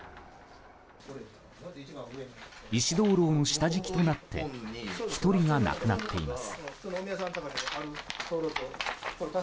石燈籠の下敷きとなって１人が亡くなっています。